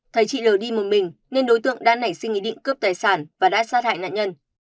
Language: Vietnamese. thấy chị l đi một mình nên đối tượng đã nảy sinh ý định cướp tài sản và đã sát hại nạn nhân